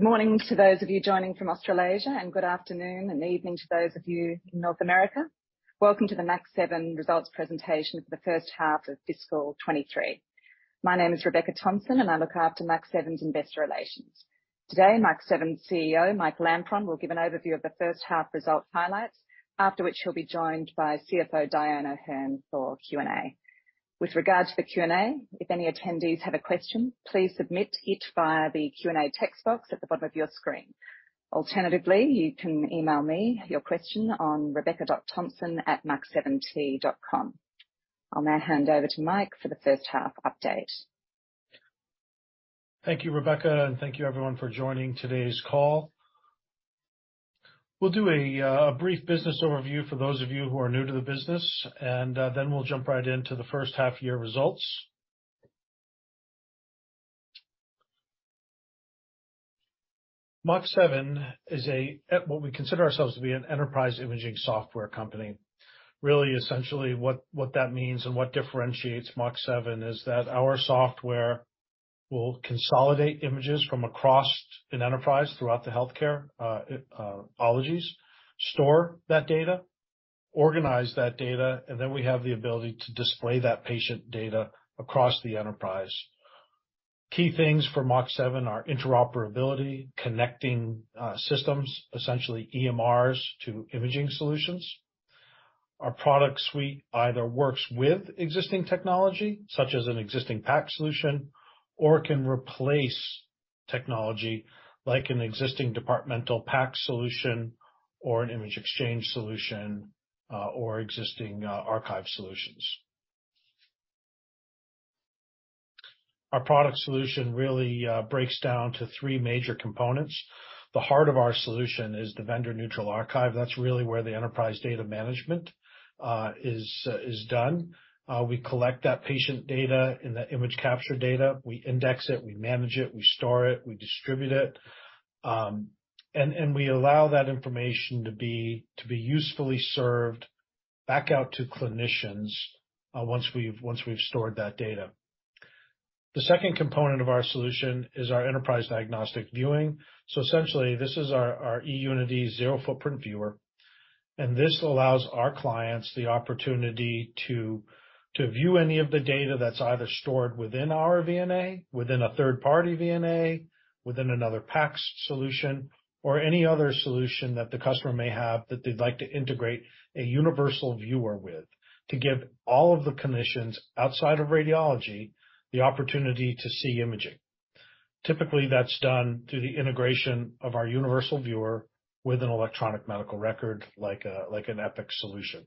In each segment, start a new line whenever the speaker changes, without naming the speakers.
Morning to those of you joining from Australasia, and good afternoon and evening to those of you in North America. Welcome to the Mach7 results presentation for the first half of fiscal 2023. My name is Rebecca Thompson, and I look after Mach7's investor relations. Today, Mach7 CEO, Mike Lampron, will give an overview of the first half results highlights, after which he'll be joined by CFO Dyan O'Herne for Q&A. With regards to the Q&A, if any attendees have a question, please submit it via the Q&A text box at the bottom of your screen. Alternatively, you can email me your question on rebecca.thompson@mach7t.com. I'll now hand over to Mike for the first half update.
Thank you, Rebecca, and thank you everyone for joining today's call. We'll do a brief business overview for those of you who are new to the business. Then we'll jump right into the first half-year results. Mach7 is a what we consider ourselves to be an enterprise imaging software company. Really, essentially what that means and what differentiates Mach7 is that our software will consolidate images from across an enterprise throughout the healthcare ologies, store that data, organize that data. Then we have the ability to display that patient data across the enterprise. Key things for Mach7 are interoperability, connecting systems, essentially EMRs to imaging solutions. Our product suite either works with existing technology, such as an existing PAC solution, or it can replace technology like an existing departmental PAC solution or an image exchange solution, or existing archive solutions. Our product solution really breaks down to three major components. The heart of our solution is the Vendor-Neutral Archive. That's really where the enterprise data management is done. We collect that patient data and the image capture data, we index it, we manage it, we store it, we distribute it, and we allow that information to be usefully served back out to clinicians once we've stored that data. The second component of our solution is our enterprise diagnostic viewing. Essentially this is our eUnity zero-footprint viewer, and this allows our clients the opportunity to view any of the data that's either stored within our VNA, within a third-party VNA, within another PACS solution or any other solution that the customer may have that they'd like to integrate a Universal Viewer with to give all of the clinicians outside of radiology the opportunity to see imaging. Typically, that's done through the integration of our Universal Viewer with an electronic medical record like an Epic solution.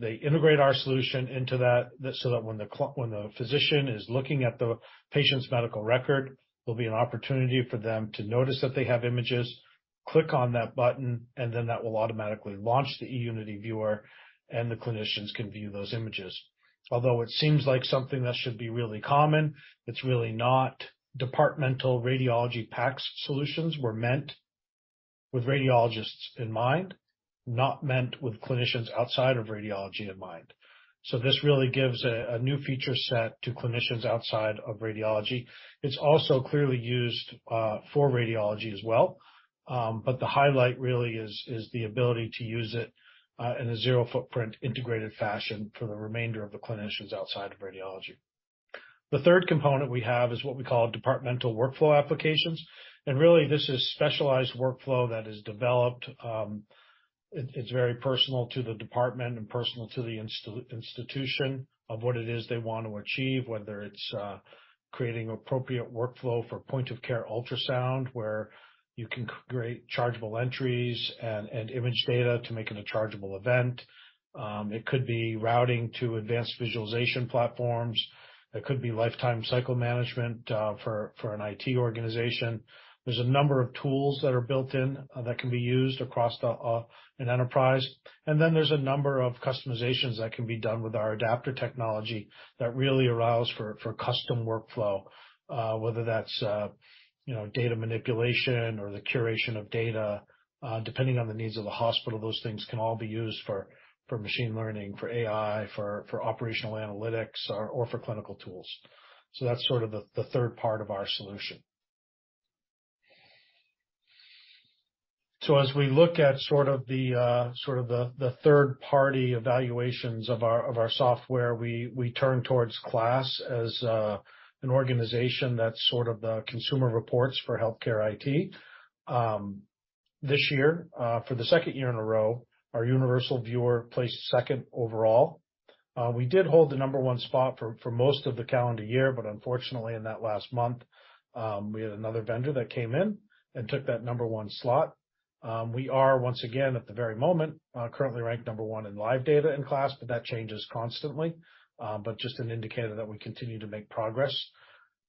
They integrate our solution into that, so that when the physician is looking at the patient's medical record, there'll be an opportunity for them to notice that they have images, click on that button, then that will automatically launch the eUnity viewer, and the clinicians can view those images. Although it seems like something that should be really common, it's really not. Departmental radiology PACS solutions were meant with radiologists in mind, not meant with clinicians outside of radiology in mind. This really gives a new feature set to clinicians outside of radiology. It's also clearly used for radiology as well. The highlight really is the ability to use it in a zero-footprint integrated fashion for the remainder of the clinicians outside of radiology. The third component we have is what we call departmental workflow applications, really this is specialized workflow that is developed. It's very personal to the department and personal to the institution of what it is they want to achieve, whether it's creating appropriate workflow for point-of-care ultrasound, where you can create chargeable entries and image data to make it a chargeable event. It could be routing to advanced visualization platforms. It could be lifecycle management for an IT organization. There's a number of tools that are built in that can be used across an enterprise. There's a number of customizations that can be done with our adapter technology that really allows for custom workflow, whether that's, you know, data manipulation or the curation of data, depending on the needs of the hospital, those things can all be used for machine learning, for AI, for operational analytics or for clinical tools. That's sort of the third part of our solution. As we look at sort of the third party evaluations of our software, we turn towards KLAS as an organization that's sort of the consumer reports for healthcare IT. This year, for the second year in a row, our Universal Viewer placed second overall. We did hold the number one spot for most of the calendar year, but unfortunately in that last month, we had another vendor that came in and took that number one slot. We are once again at the very moment, currently ranked number one in live data in KLAS, but that changes constantly. Just an indicator that we continue to make progress.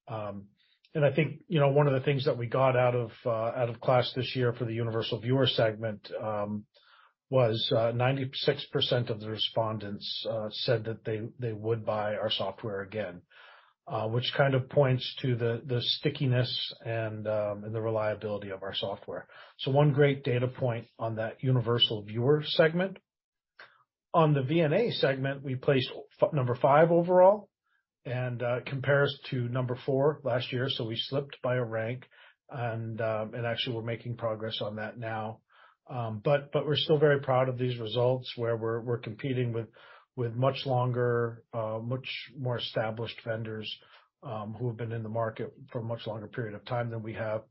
I think, you know, one of the things that we got out of KLAS this year for the Universal Viewer segment, was 96% of the respondents, said that they would buy our software again, which kind of points to the stickiness and the reliability of our software. One great data point on that Universal Viewer segment. On the VNA segment, we placed number five overall and compares to number four last year, we slipped by a rank and actually we're making progress on that now. We're still very proud of these results where we're competing with much longer, much more established vendors, who have been in the market for a much longer period of time than we have.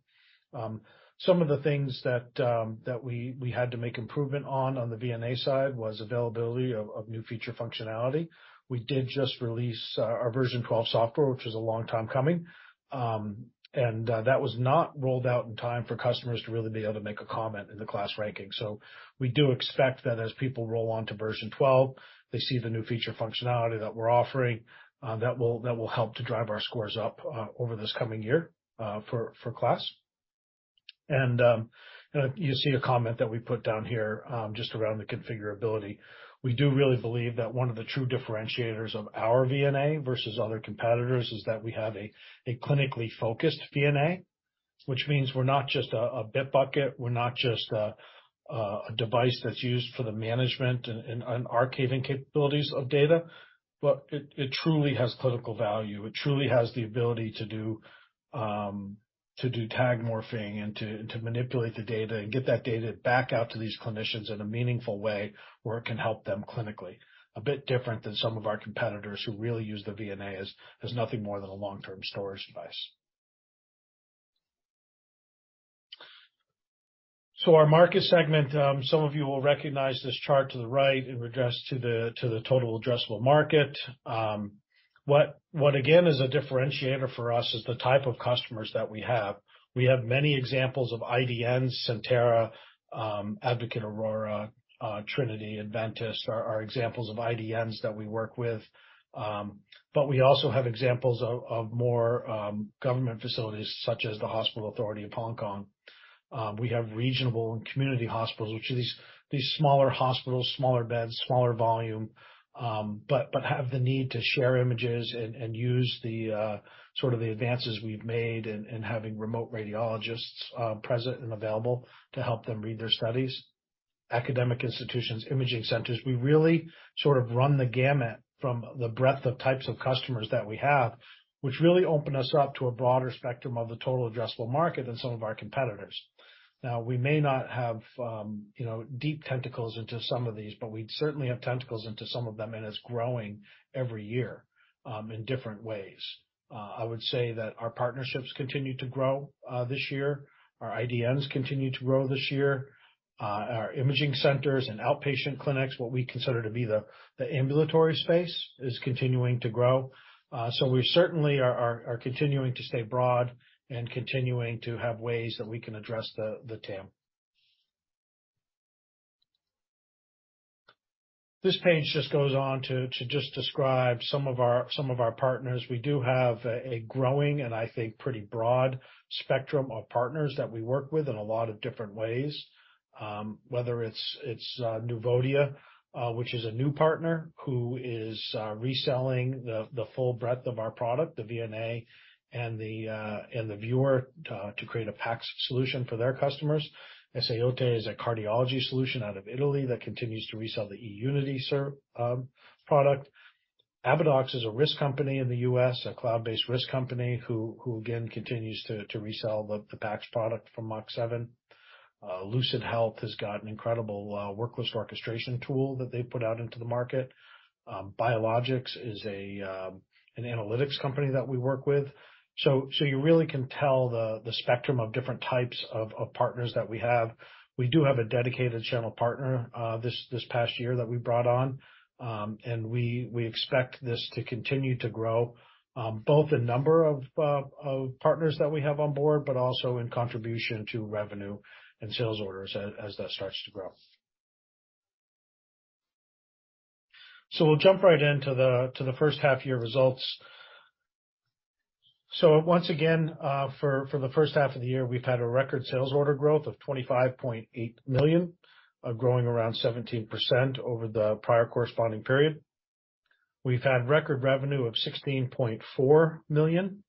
Some of the things that we had to make improvement on on the VNA side was availability of new feature functionality. We did just release our Version 12 software, which was a long time coming. That was not rolled out in time for customers to really be able to make a comment in the KLAS ranking. We do expect that as people roll on to Version 12, they see the new feature functionality that we're offering, that will help to drive our scores up for KLAS. You know, you see a comment that we put down here just around the configurability. We do really believe that one of the true differentiators of our VNA versus other competitors is that we have a clinically focused VNA, which means we're not just a bit bucket, we're not just a device that's used for the management and archiving capabilities of data, but it truly has clinical value. It truly has the ability to do tag morphing and to manipulate the data and get that data back out to these clinicians in a meaningful way where it can help them clinically. A bit different than some of our competitors who really use the VNA as nothing more than a long-term storage device. Our market segment, some of you will recognize this chart to the right in regards to the total addressable market. What again is a differentiator for us is the type of customers that we have. We have many examples of IDNs, Sentara, Advocate Aurora, Trinity, Adventist are examples of IDNs that we work with. We also have examples of more government facilities such as the Hospital Authority of Hong Kong. We have reasonable and community hospitals, which are these smaller hospitals, smaller beds, smaller volume, but have the need to share images and use the sort of the advances we've made in having remote radiologists present and available to help them read their studies. Academic institutions, imaging centers, we really sort of run the gamut from the breadth of types of customers that we have, which really open us up to a broader spectrum of the total addressable market than some of our competitors. Now, we may not have, you know, deep tentacles into some of these, but we certainly have tentacles into some of them, and it's growing every year in different ways. I would say that our partnerships continue to grow this year. Our IDNs continue to grow this year. Our imaging centers and outpatient clinics, what we consider to be the ambulatory space, is continuing to grow. We certainly are continuing to stay broad and continuing to have ways that we can address the TAM. This page just goes on to just describe some of our partners. We do have a growing and I think pretty broad spectrum of partners that we work with in a lot of different ways, whether it's Nuvodia, which is a new partner who is reselling the full breadth of our product, the VNA and the viewer to create a PACS solution for their customers. Esaote is a cardiology solution out of Italy that continues to resell the eUnity product. ompany in the U.S., a cloud-based RIS company, who again continues to resell the PACS product from Mach7. LucidHealth has got an incredible worklist orchestration tool that they put out into the market. Bialogics is an analytics company that we work with. You really can tell the spectrum of different types of partners that we have. We do have a dedicated channel partner this past year that we brought on. And we expect this to continue to grow, both the number of partners that we have on board, but also in contribution to revenue and sales orders as that starts to grow. We'll jump right into the first half year results. Once again, for the first half of the year, we've had a record sales order growth of 25.8 million, growing around 17% over the prior corresponding period. We've had record revenue of 16.4 million.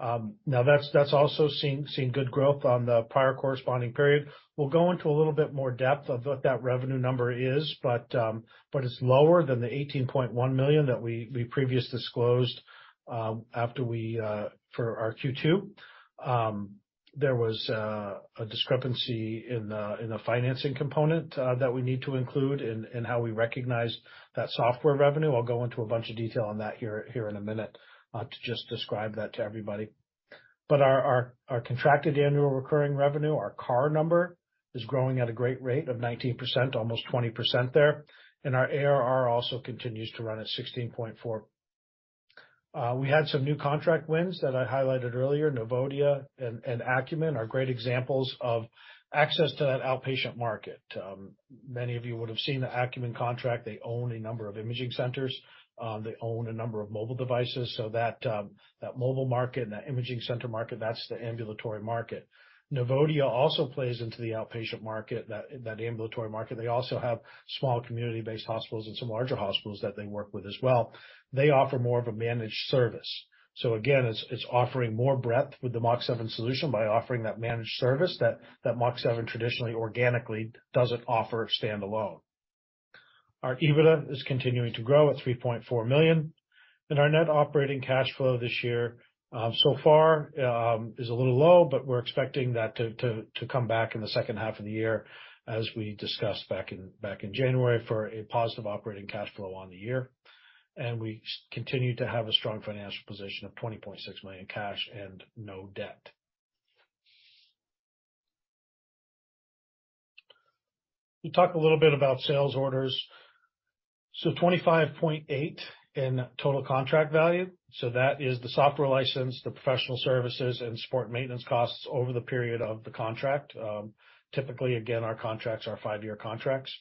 Now that's also seen good growth on the prior corresponding period. We'll go into a little bit more depth of what that revenue number is, it's lower than the 18.1 million that we previously disclosed after we for our Q2. There was a discrepancy in the financing component that we need to include in how we recognize that software revenue. I'll go into a bunch of detail on that here in a minute to just describe that to everybody. Our contracted annual recurring revenue, our CAR number, is growing at a great rate of 19%, almost 20% there. Our ARR also continues to run at 16.4%. We had some new contract wins that I highlighted earlier. Nuvodia and Akumin are great examples of access to that outpatient market. Many of you would have seen the Akumin contract. They own a number of imaging centers. They own a number of mobile devices. That mobile market and that imaging center market, that's the ambulatory market. Nuvodia also plays into the outpatient market, that ambulatory market. They also have small community-based hospitals and some larger hospitals that they work with as well. They offer more of a managed service. Again, it's offering more breadth with the Mach7 solution by offering that managed service that Mach7 traditionally organically doesn't offer standalone. Our EBITDA is continuing to grow at 3.4 million, and our net operating cash flow this year so far is a little low, but we're expecting that to come back in the second half of the year as we discussed in January for a positive operating cash flow on the year. We continue to have a strong financial position of 20.6 million cash and no debt. We talked a little bit about sales orders. 25.8 in total contract value. That is the software license, the professional services, and support maintenance costs over the period of the contract. Typically, again, our contracts are five-year contracts.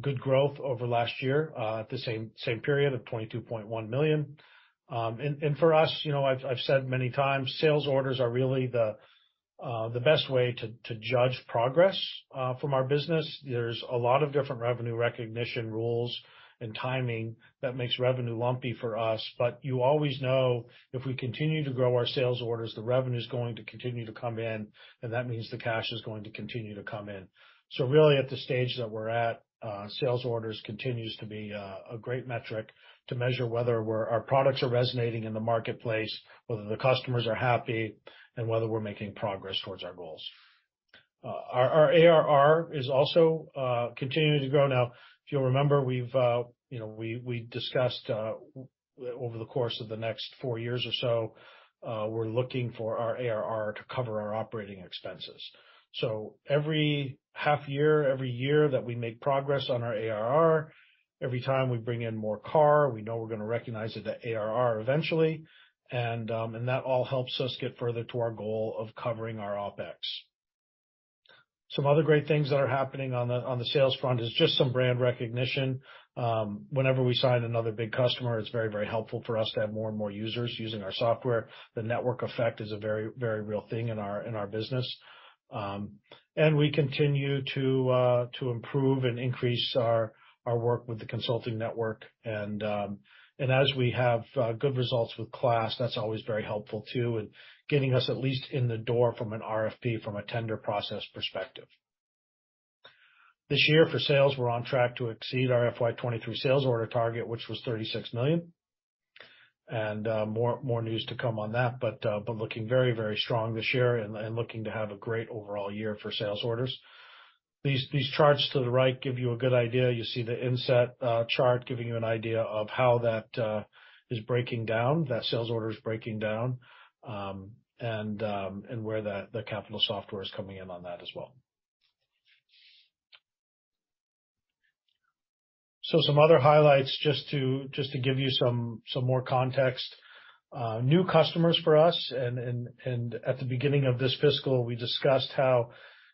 Good growth over last year, at the same period of 22.1 million. For us, you know, I've said many times, sales orders are really the best way to judge progress from our business. There's a lot of different revenue recognition rules and timing that makes revenue lumpy for us. You always know if we continue to grow our sales orders, the revenue is going to continue to come in, and that means the cash is going to continue to come in. Really at the stage that we're at, sales orders continues to be a great metric to measure whether our products are resonating in the marketplace, whether the customers are happy, and whether we're making progress towards our goals. Our ARR is also continuing to grow. Now, if you'll remember, we've, you know, we discussed over the course of the next four years or so, we're looking for our ARR to cover our operating expenses. Every half year, every year that we make progress on our ARR, every time we bring in more CAR, we know we're gonna recognize it at ARR eventually. That all helps us get further to our goal of covering our OpEx. Some other great things that are happening on the sales front is just some brand recognition. Whenever we sign another big customer, it's very, very helpful for us to have more and more users using our software. The network effect is a very, very real thing in our business. We continue to improve and increase our work with the consulting network. As we have good results with KLAS, that's always very helpful too in getting us at least in the door from an RFP from a tender process perspective. This year for sales, we're on track to exceed our FY 2023 sales order target, which was $36 million. More news to come on that, but looking very, very strong this year and looking to have a great overall year for sales orders. These charts to the right give you a good idea. You see the inset chart giving you an idea of how that is breaking down, that sales order is breaking down, and where the capital software is coming in on that as well. Some other highlights just to give you some more context. New customers for us and at the beginning of this fiscal, we discussed how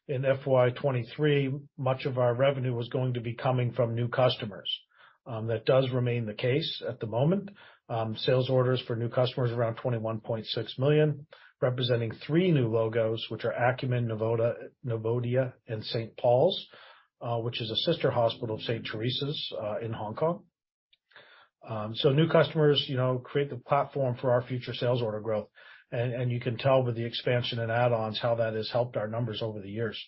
in FY 2023, much of our revenue was going to be coming from new customers. That does remain the case at the moment. Sales orders for new customers around 21.6 million, representing three new logos, which are Akumin, Nuvodia, and St. Paul's, which is a sister hospital of St. Teresa's in Hong Kong. New customers, you know, create the platform for our future sales order growth. You can tell with the expansion and add-ons how that has helped our numbers over the years.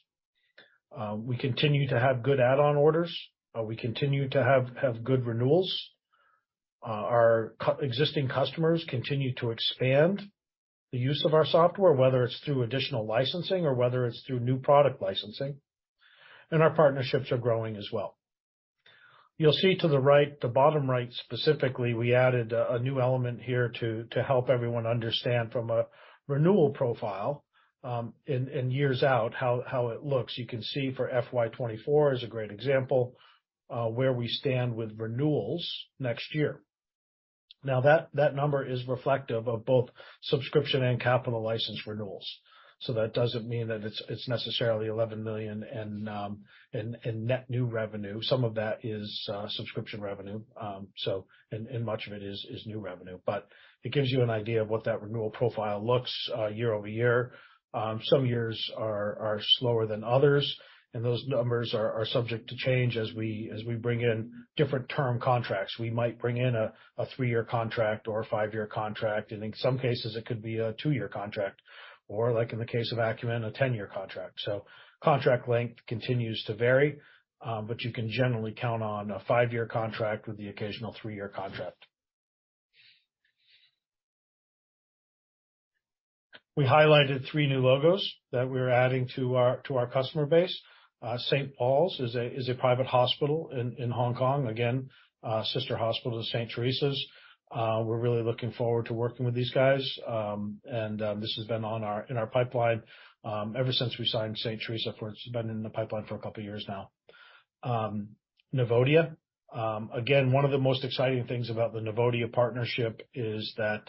We continue to have good add-on orders. We continue to have good renewals. Our existing customers continue to expand the use of our software, whether it's through additional licensing or whether it's through new product licensing. Our partnerships are growing as well. You'll see to the right, the bottom right specifically, we added a new element here to help everyone understand from a renewal profile, and years out how it looks. You can see for FY 2024 is a great example, where we stand with renewals next year. That number is reflective of both subscription and capital license renewals. That doesn't mean that it's necessarily $11 million and net new revenue. Some of that is subscription revenue, so, and much of it is new revenue. It gives you an idea of what that renewal profile looks year-over-year. Some years are slower than others, and those numbers are subject to change as we bring in different term contracts. We might bring in a three-year contract or a five-year contract. In some cases, it could be a two-year contract, or like in the case of Akumin, a 10-year contract. Contract length continues to vary, but you can generally count on a five-year contract with the occasional three-year contract. We highlighted three new logos that we're adding to our customer base. St. Paul's is a private hospital in Hong Kong, again, sister hospital to St. Teresa's. We're really looking forward to working with these guys. This has been on our pipeline ever since we signed St. Teresa for... It's been in the pipeline for a couple of years now. Nuvodia. Again, one of the most exciting things about the Nuvodia partnership is that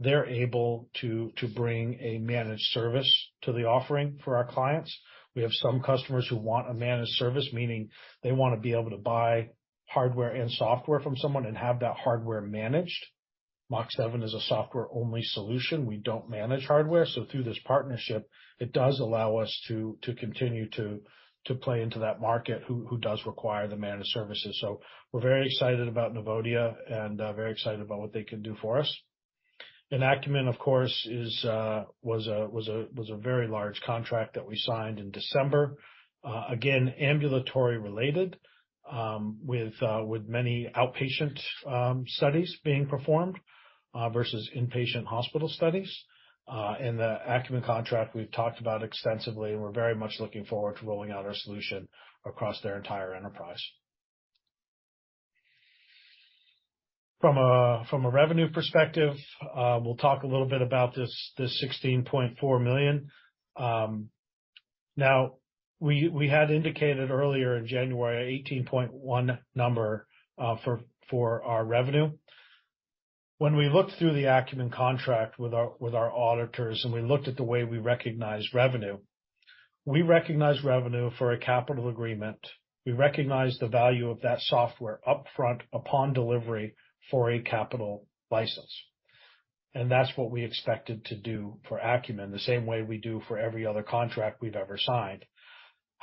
they're able to bring a managed service to the offering for our clients. We have some customers who want a managed service, meaning they wanna be able to buy hardware and software from someone and have that hardware managed. Mach7 is a software-only solution. We don't manage hardware. Through this partnership, it does allow us to continue to play into that market who does require the managed services. We're very excited about Nuvodia and very excited about what they can do for us. Akumin, of course, was a very large contract that we signed in December. Again, ambulatory related, with many outpatient studies being performed versus inpatient hospital studies. The Akumin contract we've talked about extensively, and we're very much looking forward to rolling out our solution across their entire enterprise. From a revenue perspective, we'll talk a little bit about this 16.4 million. Now we had indicated earlier in January 18.1 for our revenue. When we looked through the Akumin contract with our auditors and we looked at the way we recognized revenue, we recognized revenue for a capital agreement. We recognized the value of that software upfront upon delivery for a capital license. That's what we expected to do for Akumin, the same way we do for every other contract we've ever signed.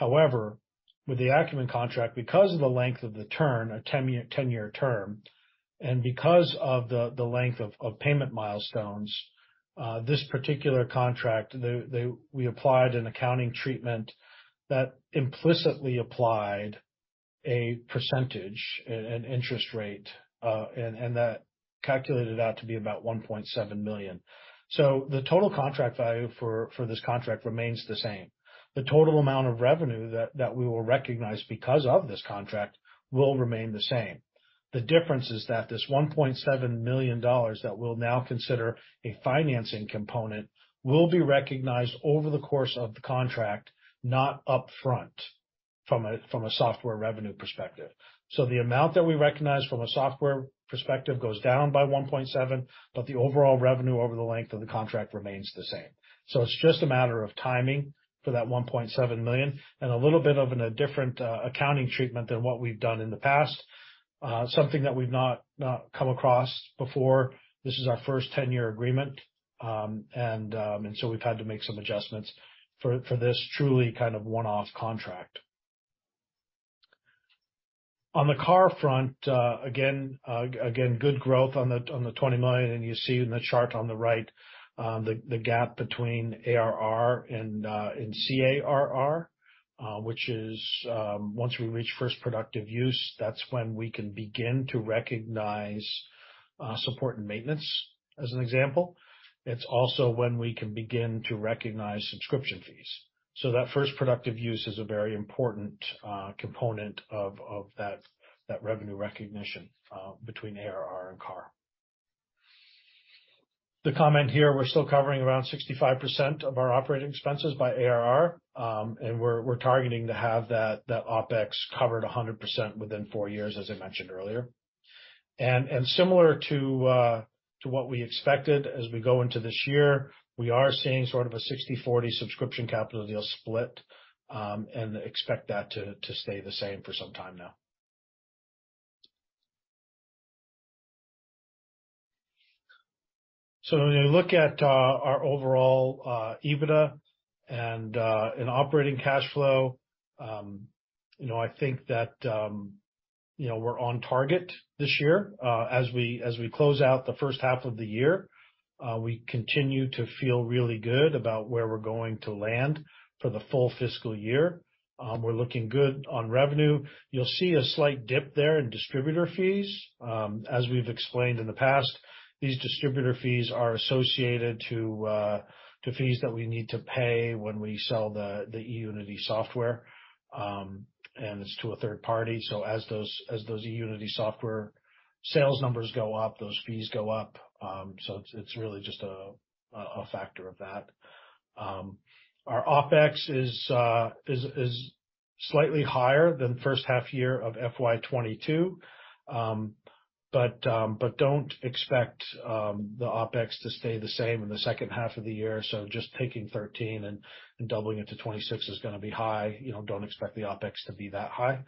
With the Akumin contract, because of the length of the term, a 10-year term, and because of the length of payment milestones, this particular contract, we applied an accounting treatment that implicitly applied a percentage, an interest rate, and that calculated out to be about $1.7 million. The total contract value for this contract remains the same. The total amount of revenue that we will recognize because of this contract will remain the same. The difference is that this $1.7 million that we'll now consider a financing component will be recognized over the course of the contract, not upfront from a software revenue perspective. The amount that we recognize from a software perspective goes down by $1.7, but the overall revenue over the length of the contract remains the same. It's just a matter of timing for that $1.7 million and a little bit of a different accounting treatment than what we've done in the past. Something that we've not come across before. This is our first 10-year agreement, we've had to make some adjustments for this truly kind of one-off contract. On the CARR front, again, good growth on the $20 million. You see in the chart on the right, the gap between ARR and CARR, which is, once we reach First Productive Use, that's when we can begin to recognize support and maintenance, as an example. It's also when we can begin to recognize subscription fees. That First Productive Use is a very important component of that revenue recognition between ARR and CARR. The comment here, we're still covering around 65% of our operating expenses by ARR, and we're targeting to have that OpEx covered 100% within four years, as I mentioned earlier. Similar to what we expected as we go into this year, we are seeing sort of a 60/40 subscription capital deal split, and expect that to stay the same for some time now. When you look at our overall EBITDA and operating cash flow, you know, I think that, you know, we're on target this year. As we close out the first half of the year, we continue to feel really good about where we're going to land for the full fiscal year. We're looking good on revenue. You'll see a slight dip there in distributor fees. As we've explained in the past, these distributor fees are associated to fees that we need to pay when we sell the eUnity software, and it's to a third party. As those eUnity software sales numbers go up, those fees go up. It's really just a factor of that. Our OpEx is slightly higher than first half year of FY 2022. Don't expect the OpEx to stay the same in the second half of the year. Just taking 13 and doubling it to 26 is gonna be high. You know, don't expect the OpEx to be that high.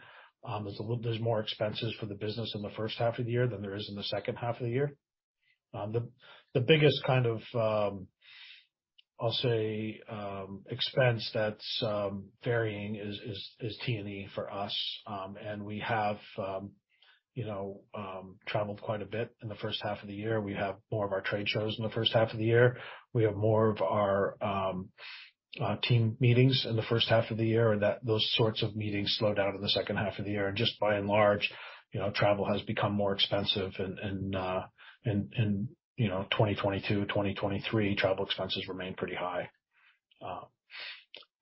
There's more expenses for the business in the first half of the year than there is in the second half of the year. The biggest kind of, I'll say, expense that's varying is T&E for us. We have, you know, traveled quite a bit in the first half of the year. We have more of our trade shows in the first half of the year. We have more of our team meetings in the first half of the year, those sorts of meetings slow down in the second half of the year. Just by and large, you know, travel has become more expensive and, you know, 2022, 2023 travel expenses remain pretty high.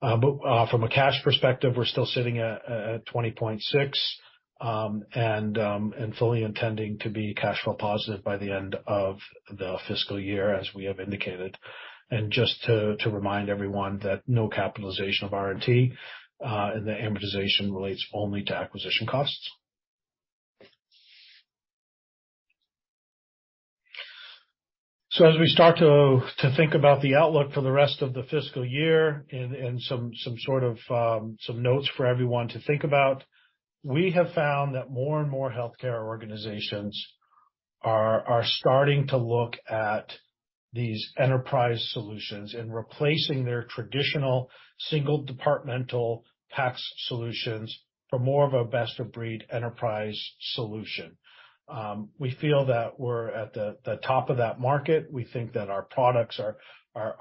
From a cash perspective, we're still sitting at 20.6, and fully intending to be cash flow positive by the end of the fiscal year, as we have indicated. Just to remind everyone that no capitalization of R&D, and the amortization relates only to acquisition costs. As we start to think about the outlook for the rest of the fiscal year and some sort of notes for everyone to think about, we have found that more and more healthcare organizations are starting to look at these enterprise solutions and replacing their traditional single departmental PACS solutions for more of a best-of-breed enterprise solution. We feel that we're at the top of that market. We think that our products are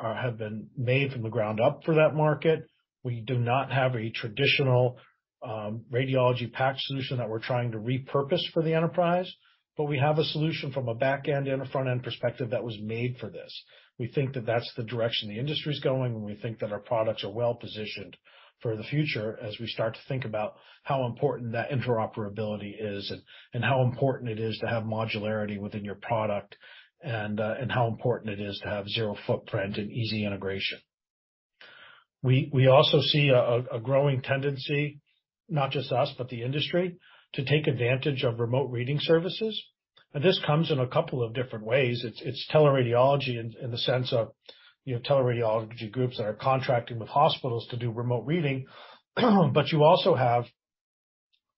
have been made from the ground up for that market. We do not have a traditional radiology PACS solution that we're trying to repurpose for the enterprise, but we have a solution from a back-end and a front-end perspective that was made for this. We think that that's the direction the industry's going, and we think that our products are well-positioned for the future as we start to think about how important that interoperability is and how important it is to have modularity within your product and how important it is to have zero-footprint and easy integration. We also see a growing tendency, not just us, but the industry, to take advantage of remote reading services. This comes in a couple of different ways. It's teleradiology in the sense of, you have teleradiology groups that are contracting with hospitals to do remote reading. You also have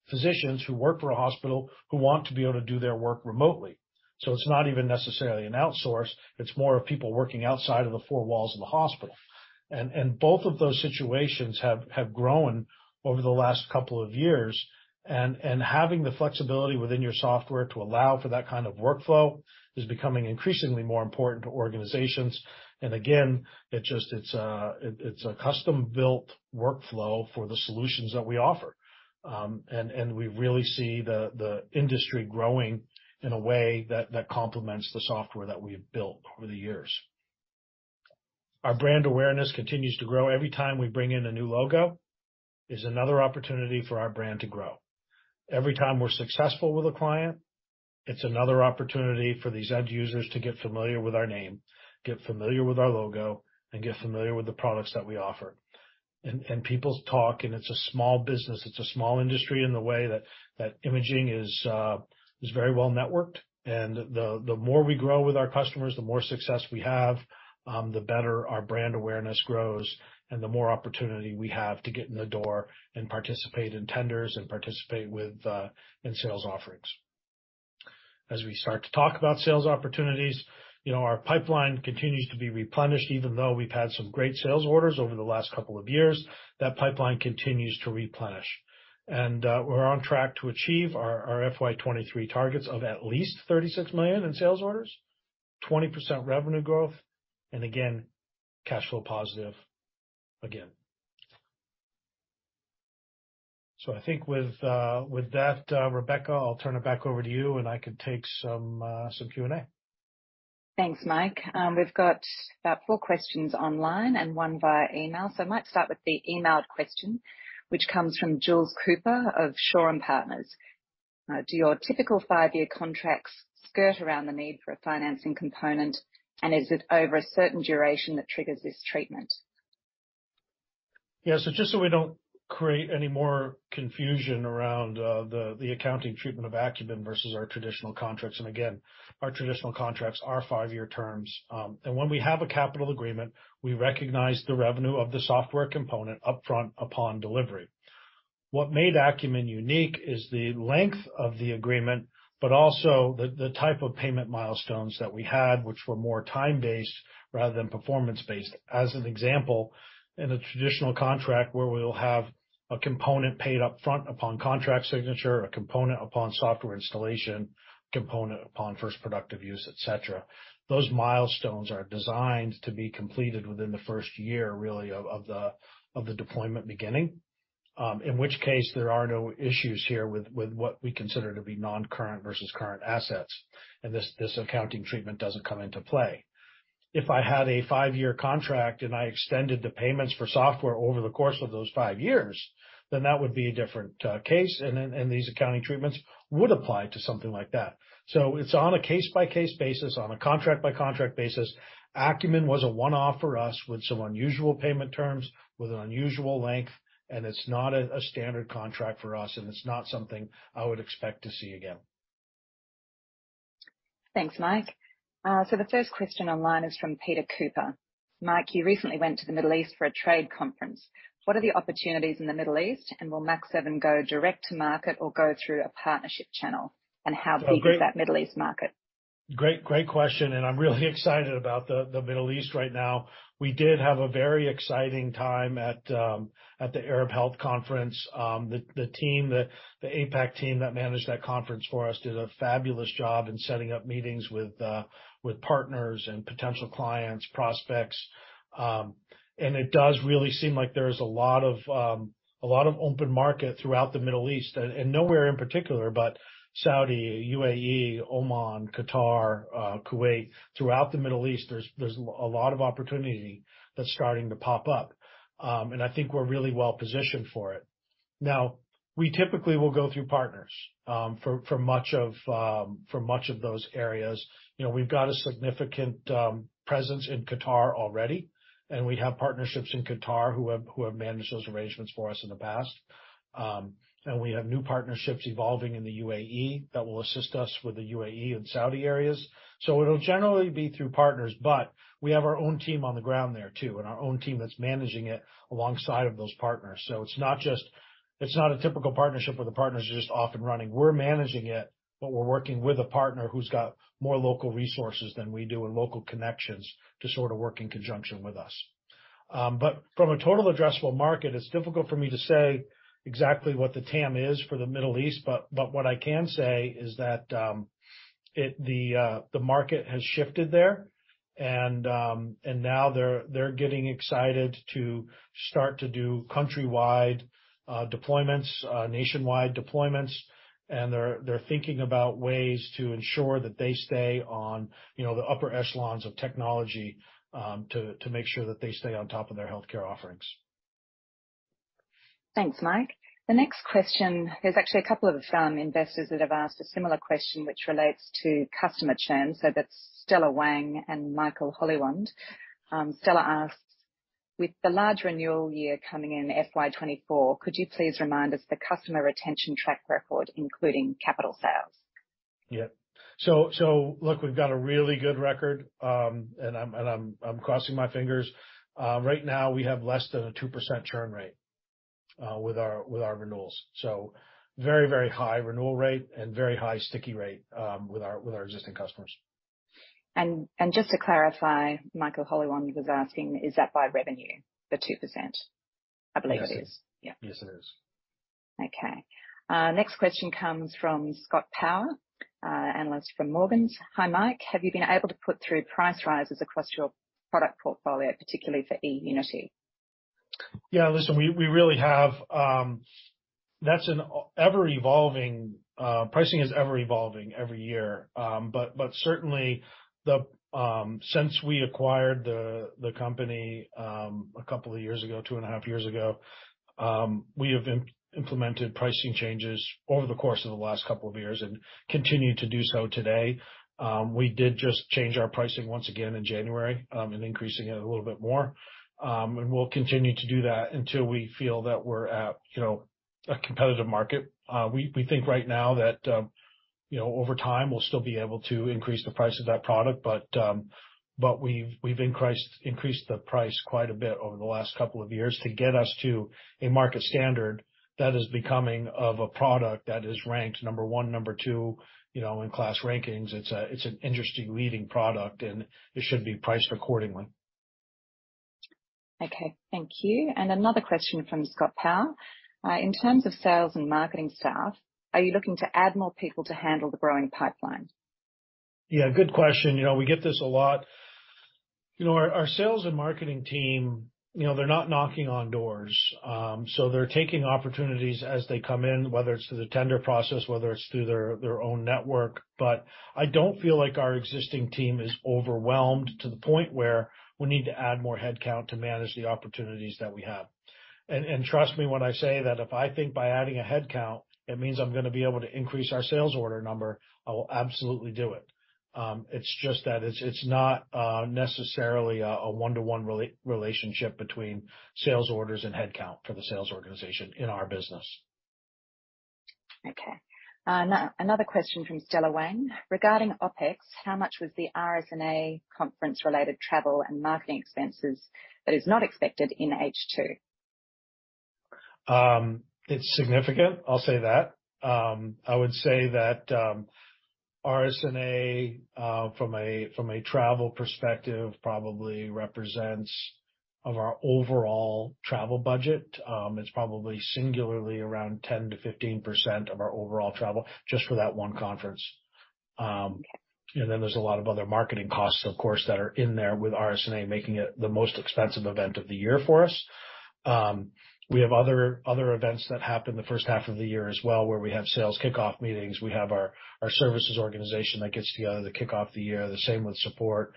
physicians who work for a hospital who want to be able to do their work remotely. It's not even necessarily an outsource, it's more of people working outside of the four walls of the hospital. Both of those situations have grown over the last couple of years. Having the flexibility within your software to allow for that kind of workflow is becoming increasingly more important to organizations. Again, it just, it's a custom-built workflow for the solutions that we offer. We really see the industry growing in a way that complements the software that we've built over the years. Our brand awareness continues to grow. Every time we bring in a new logo is another opportunity for our brand to grow. Every time we're successful with a client, it's another opportunity for these end users to get familiar with our name, get familiar with our logo, and get familiar with the products that we offer. Peoples talk, and it's a small business, it's a small industry in the way that imaging is very well-networked. The more we grow with our customers, the more success we have, the better our brand awareness grows, and the more opportunity we have to get in the door and participate in tenders and participate with in sales offerings. As we start to talk about sales opportunities, you know, our pipeline continues to be replenished. Even though we've had some great sales orders over the last couple of years, that pipeline continues to replenish. We're on track to achieve our FY 2023 targets of at least 36 million in sales orders, 20% revenue growth, and again, cash flow positive again. I think with that, Rebecca, I'll turn it back over to you, and I could take some Q&A.
Thanks, Mike. We've got about four questions online and one via email. I might start with the emailed question, which comes from Josh Cooper of Shaw and Partners. Do your typical five-year contracts skirt around the need for a financing component, and is it over a certain duration that triggers this treatment?
Yeah. Just so we don't create any more confusion around the accounting treatment of Akumin versus our traditional contracts, again, our traditional contracts are five-year terms. When we have a capital agreement, we recognize the revenue of the software component upfront upon delivery. What made Akumin unique is the length of the agreement, but also the type of payment milestones that we had, which were more time-based rather than performance-based. As an example, in a traditional contract where we'll have a component paid up front upon contract signature, a component upon software installation, component upon First Productive Use, et cetera, those milestones are designed to be completed within the first year really of the deployment beginning. In which case, there are no issues here with what we consider to be non-current versus current assets. This accounting treatment doesn't come into play. If I had a five-year contract and I extended the payments for software over the course of those five years, then that would be a different case, these accounting treatments would apply to something like that. It's on a case-by-case basis, on a contract-by-contract basis. Akumin was a one-off for us with some unusual payment terms, with an unusual length, and it's not a standard contract for us, and it's not something I would expect to see again.
Thanks, Mike. The first question online is from Peter Cooper. Mike, you recently went to the Middle East for a trade conference. What are the opportunities in the Middle East, and will Mach7 go direct to market or go through a partnership channel? How big is that Middle East market?
Great, great question. I'm really excited about the Middle East right now. We did have a very exciting time at the Arab Health Conference. The team, the APAC team that managed that conference for us did a fabulous job in setting up meetings with partners and potential clients, prospects. It does really seem like there is a lot of open market throughout the Middle East. Nowhere in particular, but Saudi, UAE, Oman, Qatar, Kuwait. Throughout the Middle East, there's a lot of opportunity that's starting to pop up. I think we're really well-positioned for it. We typically will go through partners for much of those areas. You know, we've got a significant presence in Qatar already, and we have partnerships in Qatar who have managed those arrangements for us in the past. We have new partnerships evolving in the UAE that will assist us with the UAE and Saudi areas. It'll generally be through partners, but we have our own team on the ground there too, and our own team that's managing it alongside of those partners. It's not just, it's not a typical partnership where the partners are just off and running. We're managing it, but we're working with a partner who's got more local resources than we do and local connections to sort of work in conjunction with us. From a total addressable market, it's difficult for me to say exactly what the TAM is for the Middle East, but what I can say is that the market has shifted there. Now they're getting excited to start to do countrywide deployments, nationwide deployments. They're thinking about ways to ensure that they stay on, you know, the upper echelons of technology to make sure that they stay on top of their healthcare offerings.
Thanks, Mike. The next question, there's actually a couple of investors that have asked a similar question which relates to customer churn. That's Stella Wang and Michael Murray. Stella asks, "With the large renewal year coming in FY 2024, could you please remind us the customer retention track record, including capital sales?
Yeah. Look, we've got a really good record, and I'm crossing my fingers. Right now we have less than a 2% churn rate with our renewals. Very high renewal rate and very high sticky rate with our existing customers.
Just to clarify, Michael Murray was asking is that by revenue, the 2%? I believe it is.
Yes, it is.
Yeah.
Yes, it is.
Okay. Next question comes from Scott Power, analyst from Morgans. "Hi, Mike. Have you been able to put through price rises across your product portfolio, particularly for eUnity?
Yeah. Listen, we really have... That's an ever-evolving, pricing is ever-evolving every year. Certainly the, since we acquired the company, a couple of years ago, 2.5 years ago, we have implemented pricing changes over the course of the last a couple of years years and continue to do so today. We did just change our pricing once again in January, increasing it a little bit more. We'll continue to do that until we feel that we're at, you know, a competitive market. We think right now that, you know, over time, we'll still be able to increase the price of that product. We've increased the price quite a bit over the last couple of years to get us to a market standard that is becoming of a product that is ranked number one, number two, you know, in class rankings. It's an interesting leading product, and it should be priced accordingly.
Okay. Thank you. Another question from Scott Power. In terms of sales and marketing staff, are you looking to add more people to handle the growing pipeline?
Yeah, good question. You know, we get this a lot. You know, our sales and marketing team, you know, they're not knocking on doors. They're taking opportunities as they come in, whether it's through the tender process, whether it's through their own network. I don't feel like our existing team is overwhelmed to the point where we need to add more headcount to manage the opportunities that we have. Trust me when I say that if I think by adding a headcount, it means I'm gonna be able to increase our sales order number, I will absolutely do it. It's just that it's not necessarily a one-to-one relationship between sales orders and headcount for the sales organization in our business.
Okay. Another question from Stella Wang. Regarding OpEx, how much was the RSNA conference related travel and marketing expenses that is not expected in H2?
It's significant, I'll say that. I would say that RSNA from a travel perspective, probably represents of our overall travel budget. It's probably singularly around 10% to 15% of our overall travel just for that one conference. There's a lot of other marketing costs, of course, that are in there with RSNA, making it the most expensive event of the year for us. We have other events that happen the first half of the year as well, where we have sales kickoff meetings. We have our services organization that gets together to kick off the year. The same with support.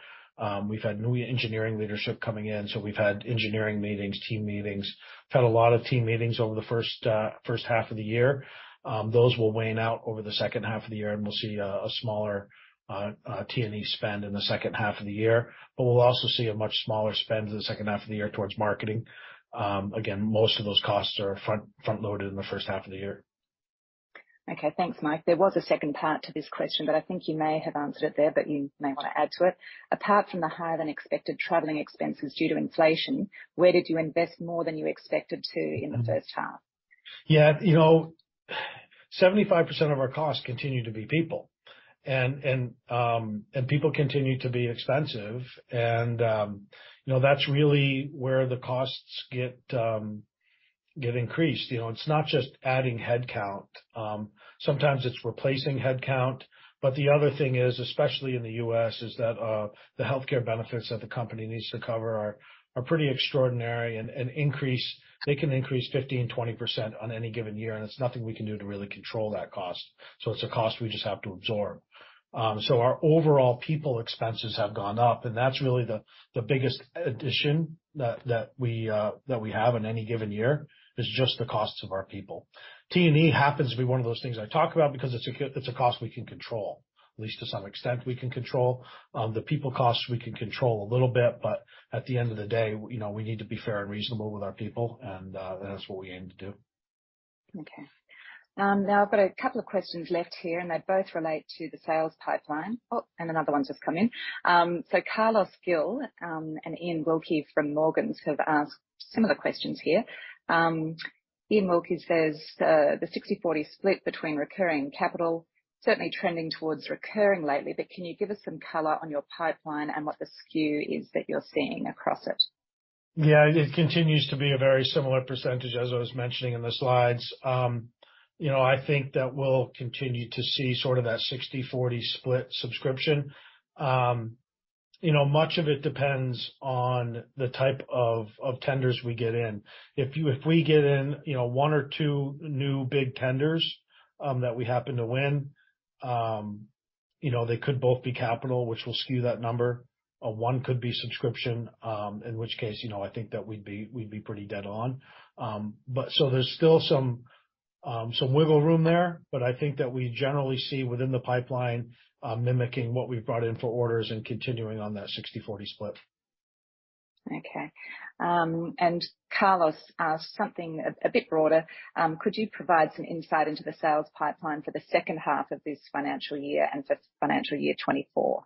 We've had new engineering leadership coming in, so we've had engineering meetings, team meetings. We've had a lot of team meetings over the first half of the year. Those will wane out over the second half of the year, and we'll see a smaller T&E spend in the second half of the year. We'll also see a much smaller spend in the second half of the year towards marketing. Again, most of those costs are front-loaded in the first half of the year.
Okay. Thanks, Mike. There was a second part to this question, but I think you may have answered it there, but you may wanna add to it. Apart from the higher-than-expected traveling expenses due to inflation, where did you invest more than you expected to in the first half?
Yeah. You know, 75% of our costs continue to be people and people continue to be expensive. You know, that's really where the costs get increased. You know, it's not just adding headcount. Sometimes it's replacing headcount. The other thing is, especially in the U.S., is that the healthcare benefits that the company needs to cover are pretty extraordinary. They can increase 15% to 20% on any given year, and there's nothing we can do to really control that cost. It's a cost we just have to absorb. Our overall people expenses have gone up, and that's really the biggest addition that we have on any given year, is just the costs of our people. T&E happens to be one of those things I talk about because it's a cost we can control, at least to some extent, we can control. The people costs, we can control a little bit, but at the end of the day, you know, we need to be fair and reasonable with our people and that's what we aim to do.
Now I've got a couple of questions left here. They both relate to the sales pipeline. Another one's just come in. Carlos Gil and Iain Wilkie from Morgans have asked similar questions here. Iain Wilkie says the 60/40 split between recurring and capital, certainly trending towards recurring lately, can you give us some color on your pipeline and what the skew is that you're seeing across it?
Yeah, it continues to be a very similar percentage, as I was mentioning in the slides. You know, I think that we'll continue to see sort of that 60/40 split subscription. You know, much of it depends on the type of tenders we get in. If we get in, you know, one or two new big tenders that we happen to win, you know, they could both be capital, which will skew that number. One could be subscription, in which case, you know, I think that we'd be pretty dead on. There's still some wiggle room there. I think that we generally see within the pipeline mimicking what we've brought in for orders and continuing on that 60/40 split.
Okay. Carlos asked something a bit broader. Could you provide some insight into the sales pipeline for the second half of this financial year and for financial year 2024?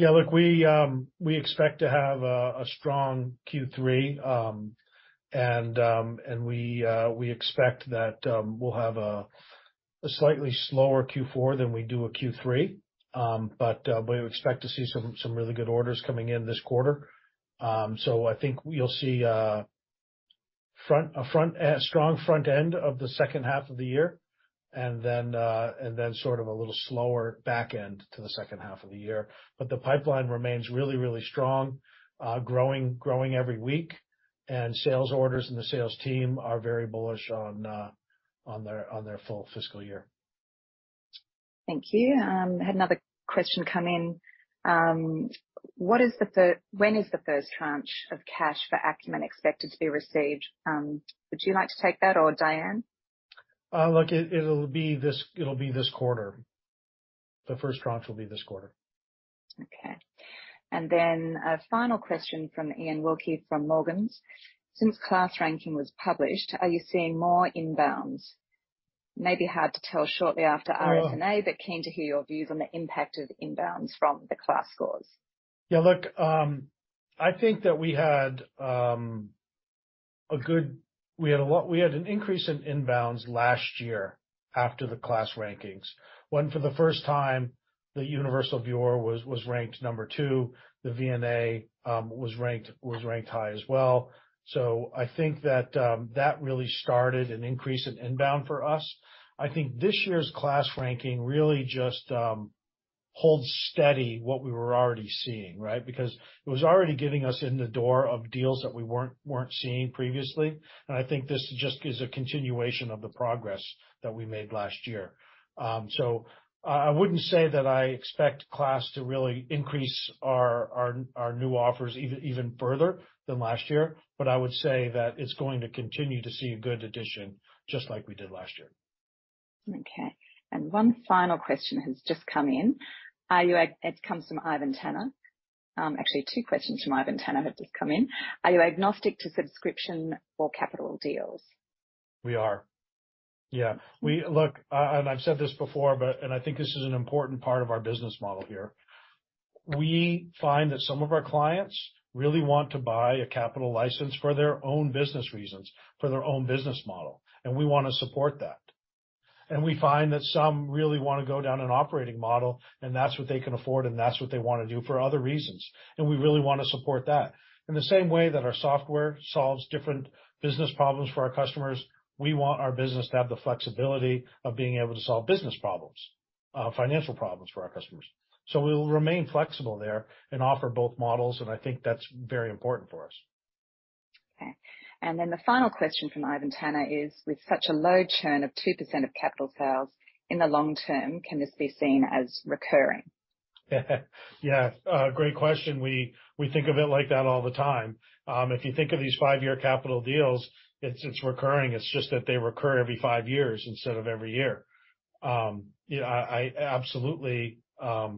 Look, we expect to have a strong Q3. We expect that we'll have a slightly slower Q4 than we do a Q3. We expect to see some really good orders coming in this quarter. I think you'll see a strong front end of the second half of the year and then sort of a little slower back end to the second half of the year. The pipeline remains really strong, growing every week. Sales orders and the sales team are very bullish on their full fiscal year.
Thank you. Had another question come in. When is the first tranche of cash for Akumin expected to be received? Would you like to take that or Diane?
Look, it'll be this quarter. The first tranche will be this quarter.
Okay. A final question from Iain Wilkie from Morgans. Since KLAS ranking was published, are you seeing more inbounds? Maybe hard to tell shortly after RSNA-
Well-
keen to hear your views on the impact of inbounds from the KLAS scores.
Yeah, look, I think that we had an increase in inbounds last year after the KLAS rankings, when for the first time the Universal Viewer was ranked number two. The VNA was ranked high as well. I think that really started an increase in inbound for us. I think this year's KLAS ranking really just holds steady what we were already seeing, right? Because it was already getting us in the door of deals that we weren't seeing previously. I think this just is a continuation of the progress that we made last year. I wouldn't say that I expect KLAS to really increase our new offers even further than last year, but I would say that it's going to continue to see a good addition, just like we did last year.
Okay. One final question has just come in. It comes from Ilan Grapel. Actually, two questions from Ilan Grapel have just come in. Are you agnostic to subscription or capital deals?
We are. Yeah. Look, I've said this before, I think this is an important part of our business model here. We find that some of our clients really want to buy a capital license for their own business reasons, for their own business model, and we wanna support that. We find that some really wanna go down an operating model, and that's what they can afford, and that's what they wanna do for other reasons, and we really wanna support that. In the same way that our software solves different business problems for our customers, we want our business to have the flexibility of being able to solve business problems, financial problems for our customers. We'll remain flexible there and offer both models, and I think that's very important for us.
Okay. The final question from Ilan Grapel is: With such a low churn of 2% of capital sales, in the long term, can this be seen as recurring?
Yeah. Great question. We think of it like that all the time. If you think of these five-year capital deals, it's recurring. It's just that they recur every five years instead of every year. Yeah, I absolutely, for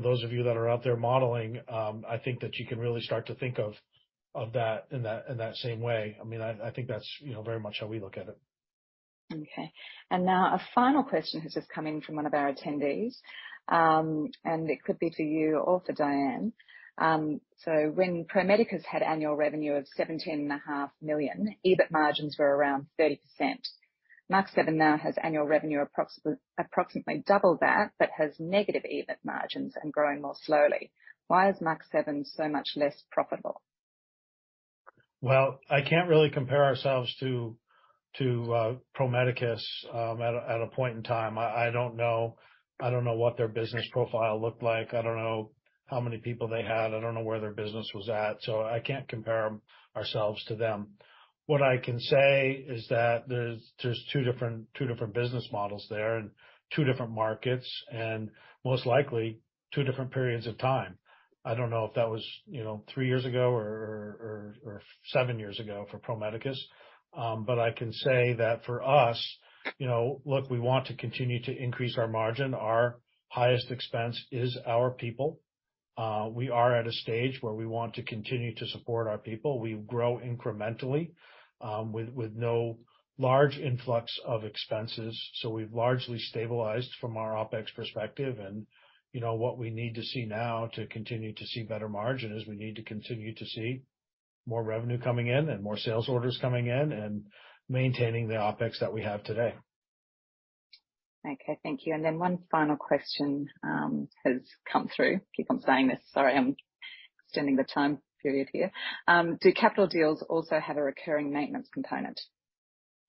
those of you that are out there modeling, I think that you can really start to think of that in that same way. I mean, I think that's, you know, very much how we look at it.
Okay. Now a final question has just come in from one of our attendees, and it could be for you or for Dyan O'Herne. When ProMedicus had annual revenue of seventeen and a half million, EBIT margins were around 30%. Mach7 now has annual revenue approximately double that, but has negative EBIT margins and growing more slowly. Why is Mach7 so much less profitable?
Well, I can't really compare ourselves to ProMedicus at a point in time. I don't know, I don't know what their business profile looked like. I don't know how many people they had. I don't know where their business was at. I can't compare ourselves to them. What I can say is that there's two different business models there and two different markets and most likely two different periods of time. I don't know if that was, you know, three years ago or seven years ago for ProMedicus. I can say that for us, you know, look, we want to continue to increase our margin. Our highest expense is our people. We are at a stage where we want to continue to support our people. We grow incrementally, with no large influx of expenses. We've largely stabilized from our OpEx perspective. You know, what we need to see now to continue to see better margin is we need to continue to see more revenue coming in and more sales orders coming in and maintaining the OpEx that we have today.
Okay. Thank you. Then one final question has come through. Keep on saying this, sorry, I'm extending the time period here. Do capital deals also have a recurring maintenance component?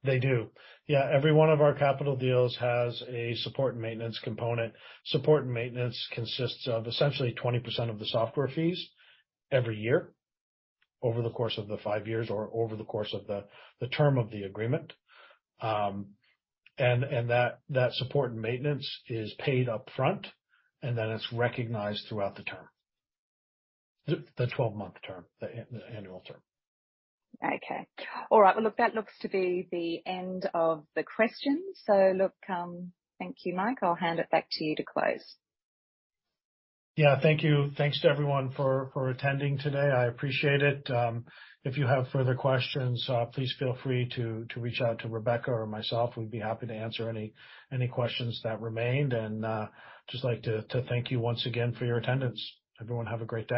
They do. Yeah, every one of our capital deals has a support and maintenance component. Support and maintenance consists of essentially 20% of the software fees every year over the course of the 5 years or over the course of the term of the agreement. That support and maintenance is paid upfront, and then it's recognized throughout the term. The 12-month term, the annual term.
Okay. All right. Well, look, that looks to be the end of the questions. look, thank you, Mike. I'll hand it back to you to close.
Yeah. Thank you. Thanks to everyone for attending today. I appreciate it. If you have further questions, please feel free to reach out to Rebecca or myself. We'd be happy to answer any questions that remained. Just like to thank you once again for your attendance. Everyone, have a great day.